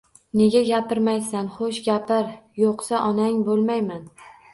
Nega gapirmaysan? Xo'sh, gapir, yo'qsa, onang bo'lmayman.